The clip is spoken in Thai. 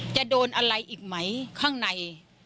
จะโดนอะไรอีกไหมข้างใน